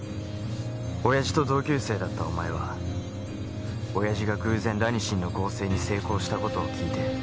親父と同級生だったお前は親父が偶然ラニシンの合成に成功した事を聞いて。